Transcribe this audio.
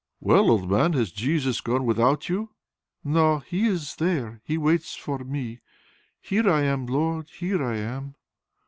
"Well, old man, has Jesus gone without you?" "No ... He is there.... He waits for me. Here I am, Lord, here I am."